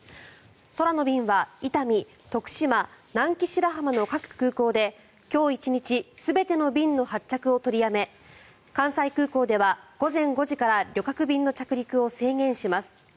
空の便は伊丹、徳島、南紀白浜の各空港で今日１日全ての便の発着を取りやめ関西空港では午前５時から旅客便の着陸を制限します。